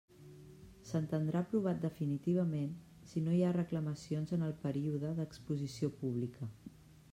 S'entendrà aprovat definitivament si no hi ha reclamacions en el període d'exposició pública.